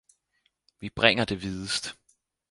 Vi bringer det videst